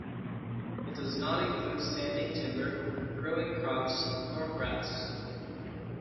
It does not include standing timber, growing crops, nor grass.